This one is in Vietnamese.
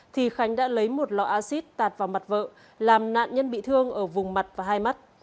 thì khánh đã lấy một lọ acid tạt vào mặt vợ làm nạn nhân bị thương ở vùng mặt và hai mắt